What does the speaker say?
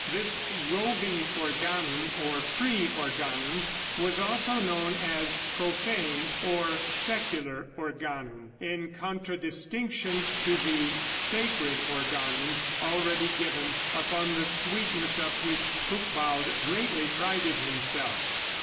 This roving organum, or free organum, was also known as "profane" or "secular" organum, in contradistinction to the "sacred organum" already given, upon the sweetness of which Hucbald greatly prided himself.